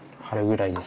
はい。